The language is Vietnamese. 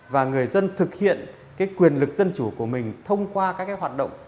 và người dân thực hiện quyền lực dân chủ của mình thông qua các hoạt động